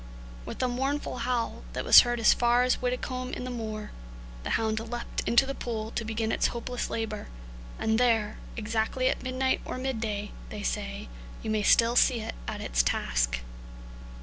With a mournful howl that was heard as far as Widdicombe in the Moor, the hound leapt into the pool to begin its hopeless labour, and there, exactly at midnight or midday, they say, you may still see it at its task.